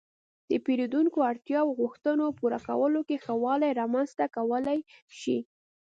-د پېرېدونکو اړتیاو او غوښتنو پوره کولو کې ښه والی رامنځته کولای شئ